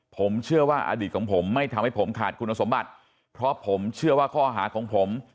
ผมเชื่อว่าอดีตของผมไม่ทำให้ผมขาดคุณสมบัติเพราะผมเชื่อว่าข้อหาของผม